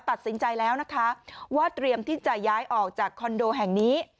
ตัดสินใจแล้วนะคะว่าเตรียมที่จะย้ายออกจากคอนโดแห่งนี้